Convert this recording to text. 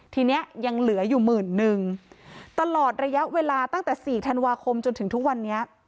ทีนี้ยังเหลืออยู่หมื่นนึงตลอดระยะเวลาตั้งแต่สี่ธันวาคมจนถึงทุกวันนี้